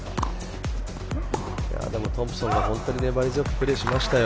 トンプソンは本当に粘り強くプレーしましたよ。